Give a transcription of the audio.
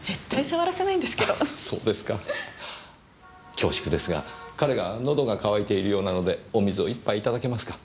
恐縮ですが彼が喉が渇いているようなのでお水を１杯頂けますか？